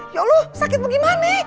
ya allah sakitmu gimana